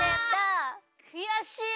くやしい。